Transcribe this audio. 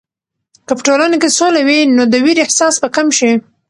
که په ټولنه کې سوله وي، نو د ویر احساس به کم شي.